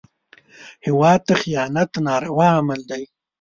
هېواد ته خیانت ناروا عمل دی